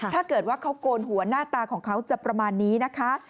ถ้าเกิดว่าเขาโกนหัวหน้าตาของเขาจะประมาณนี้นะคะ